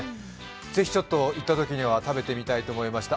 ぜひ、行ったときには食べてみたいと思いました。